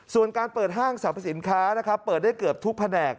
ส่วนการเปิดห้างสรรพสินค้านะครับเปิดได้เกือบทุกแผนก